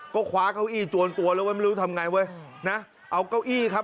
ก็คว้าเก้าอี้จวนตัวแล้วไว้ไม่รู้ทำไงเว้ยนะเอาเก้าอี้ครับ